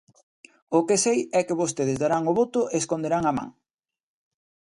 O que sei é que vostedes darán o voto e esconderán a man.